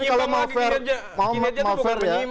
jadi kalau mau fair ya